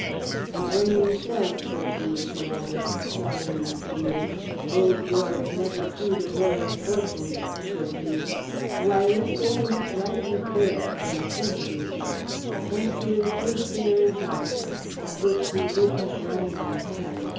"And when you says, says you," he added, sidling up to me, "Old George never see'd a Royal Fortune, says you why, you're saying what's right and fair, and I thanks you, sir. I thanks you with a true sailor's 'eart "; at which he would have wrung my hand.